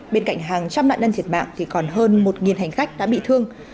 bên cạnh hàng trăm nạn nhân thiệt mạng thì còn hơn một hành khách đã bị thương